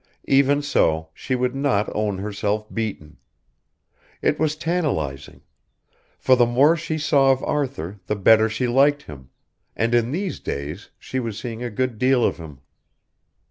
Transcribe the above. Even so, she would not own herself beaten. It was tantalising; for the more she saw of Arthur the better she liked him, and in these days she was seeing a good deal of him.